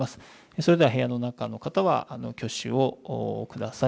それでは部屋の中は挙手をください。